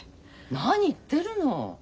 何言ってるの。